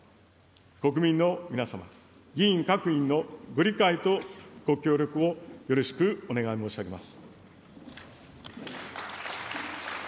国民の皆様、議員各位のご理解とご協力をよろしくお願い申し上げます。